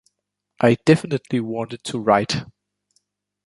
I definitely wanted to write.